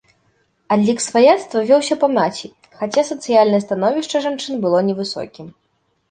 Адлік сваяцтва вёўся па маці, хаця сацыяльнае становішча жанчын было невысокім.